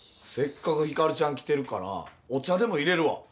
せっかくヒカルちゃん来てるからお茶でもいれるわ。